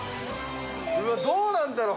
どうなんだろう。